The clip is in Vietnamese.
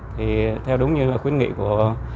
thì theo đúng như khuyến nghị của